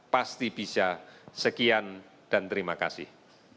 pasti bisa sekian dan terima kasih